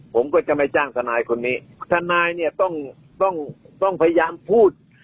ผมก็จะไม่จ้างทนายคนนี้ทนายเนี่ยต้องต้องพยายามพูด